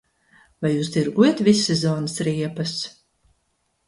Vai jūs tirgojat vissezonas riepas?